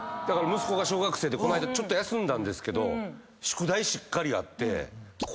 息子が小学生でこの間ちょっと休んだんですけど宿題しっかりあって。